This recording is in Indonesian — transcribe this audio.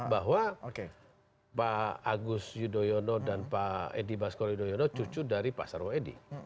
bahwa pak agus yudhoyono dan pak edi baskor yudhoyono cucu dari pak sarwo edi